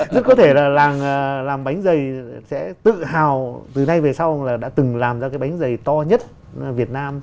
rất có thể là làm bánh giày sẽ tự hào từ nay về sau là đã từng làm ra cái bánh giày to nhất việt nam